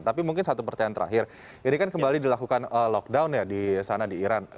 tapi mungkin satu percayaan terakhir ini kan kembali dilakukan lockdown ya di sana di iran